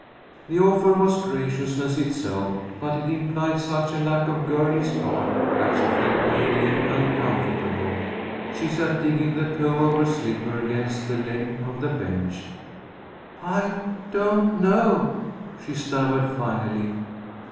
The offer was graciousness itself, but it implied such a lack on Girlie's part that she felt vaguely uncomfortable. She sat digging the toe of her slipper against the leg of the bench. "I don't know," she stammered finally.